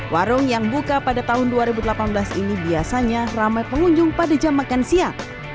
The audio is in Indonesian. warung yang buka pada tahun dua ribu delapan belas ini biasanya ramai pengunjung pada jam makan siang